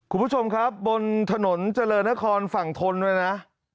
คุณผู้ชมครับบนถนนเจริญนครฝั่งทนด้วยนะ